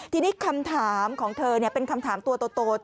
ทีนี้คำถามของเธอเป็นคำถามตัวโต